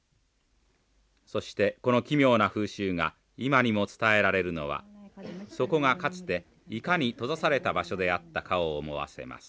そしてこの奇妙な風習が今にも伝えられるのはそこがかつていかに閉ざされた場所であったかを思わせます。